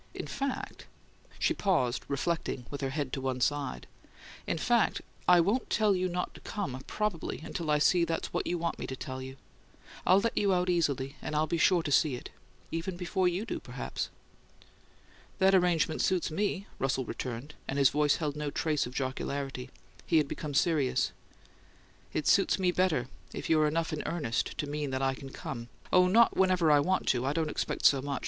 "In fact " She paused, reflecting, with her head to one side. "In fact, I won't tell you not to come, probably, until I see that's what you want me to tell you. I'll let you out easily and I'll be sure to see it. Even before you do, perhaps." "That arrangement suits me," Russell returned, and his voice held no trace of jocularity: he had become serious. "It suits me better if you're enough in earnest to mean that I can come oh, not whenever I want to; I don't expect so much!